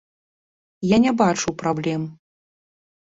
Я не бачу праблем.